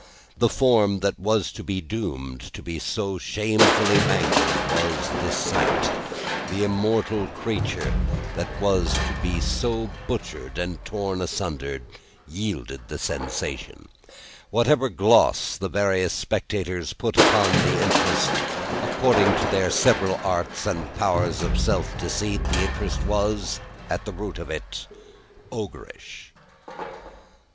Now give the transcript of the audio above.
The form that was to be doomed to be so shamefully mangled, was the sight; the immortal creature that was to be so butchered and torn asunder, yielded the sensation. Whatever gloss the various spectators put upon the interest, according to their several arts and powers of self deceit, the interest was, at the root of it, Ogreish.